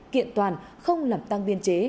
kiện toàn không làm tăng biên chế